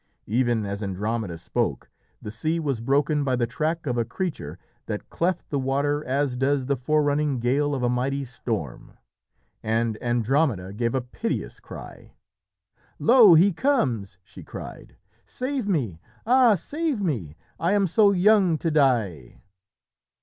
Even as Andromeda spoke, the sea was broken by the track of a creature that cleft the water as does the forerunning gale of a mighty storm. And Andromeda gave a piteous cry. "Lo! he comes!" she cried. "Save me! ah, save me! I am so young to die."